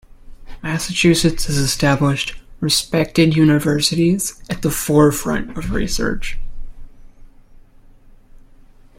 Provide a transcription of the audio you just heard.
Massachusetts has established respected universities at the forefront of research.